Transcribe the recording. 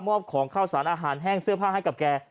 ของข้าวสารอาหารแห้งเสื้อผ้าให้กับแก